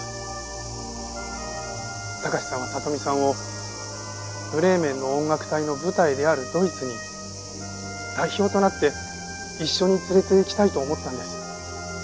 貴史さんは里美さんを『ブレーメンの音楽隊』の舞台であるドイツに代表となって一緒に連れて行きたいと思ったんです。